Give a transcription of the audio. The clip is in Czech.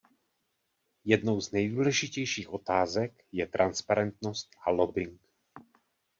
Jednou z nejdůležitějších otázek je transparentnost a lobbing.